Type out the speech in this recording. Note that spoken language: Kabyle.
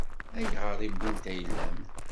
Ayɣer i wwint ayla-m?